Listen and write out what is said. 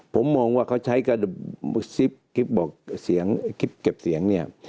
ผมมองว่าเขาใช้กระดูกซิปเก็บเสียงเนี่ย